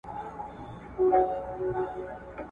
په همدې تنګو دروکي ..